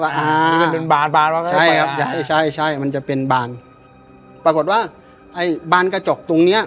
อ๋ออันนี้เป็นบ้านบ้านใช่ใช่ใช่มันจะเป็นบ้านปรากฏว่าไอ้บ้านกระจกตรงเนี้ย